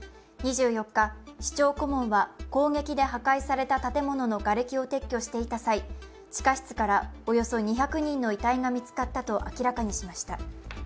２４日、市長顧問は攻撃で破壊されたがれきを撤去していた際、地下室からおよそ２００人の遺体が見つかったと明らかにしました。